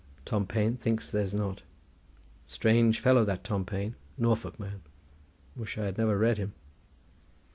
Tom Payne thinks there's not. Strange fellow that Tom Payne. Norfolk man. Wish I had never read him."